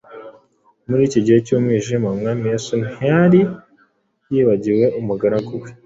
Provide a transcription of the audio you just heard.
Muri iki gihe cy’umwijima, Umwami Yesu ntiyari yibagiwe umugaragu we